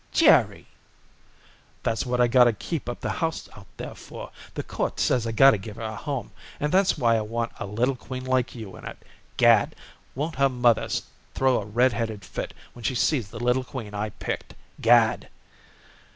"Jerry!" "That's what I gotta keep up the house out there for. The court says I gotta give her a home, and that's why I want a little queen like you in it. Gad! Won't her mother throw a red headed fit when she sees the little queen I picked! Gad!"